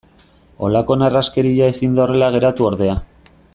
Halako narraskeria ezin da horrela geratu ordea.